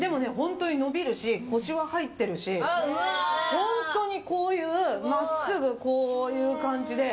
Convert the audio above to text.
本当にこういう真っすぐ、こういう感じで。